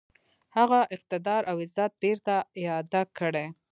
هغه اقتدار او عزت بیرته اعاده کړي.